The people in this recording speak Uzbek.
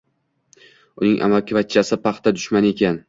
Uning amakivachchasi paxta dushmani ekan